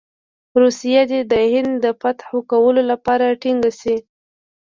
روسیه دې د هند د فتح کولو لپاره ټینګه شي.